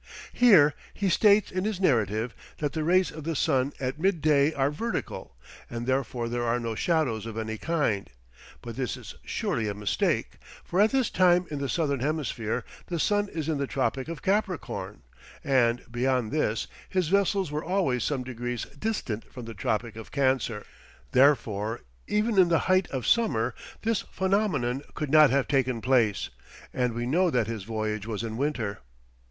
Here, he states in his narrative that the rays of the sun at mid day are vertical, and therefore there are no shadows of any kind; but this is surely a mistake, for at this time in the Southern hemisphere the sun is in the Tropic of Capricorn; and, beyond this, his vessels were always some degrees distant from the Tropic of Cancer, therefore even in the height of summer this phenomenon could not have taken place, and we know that his voyage was in winter.